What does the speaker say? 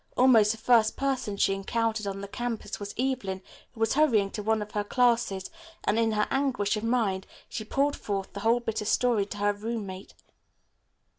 Almost the first person she encountered on the campus was Evelyn, who was hurrying to one of her classes, and in her anguish of mind she poured forth the whole bitter story to her roommate.